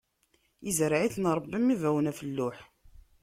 Izreɛ-iten Ṛebbi am ibawen ɣef lluḥ.